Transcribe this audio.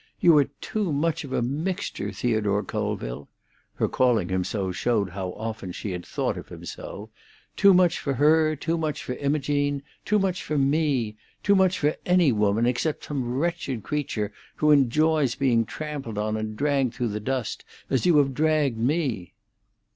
You are too much of a mixture, Theodore Colville"—her calling him so showed how often she had thought of him so—"too much for her, too much for Imogene, too much for me; too much for any woman except some wretched creature who enjoys being trampled on and dragged through the dust, as you have dragged me."